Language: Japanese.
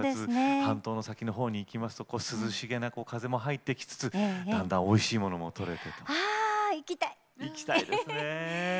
半島の先のほうに行きますと涼しげな風も入ってきつつだんだんおいしいものもとれて。